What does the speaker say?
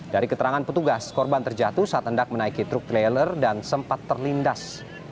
dari keterangan petugas korban terjatuh saat hendak menaiki truk trailer dan sempat terlindas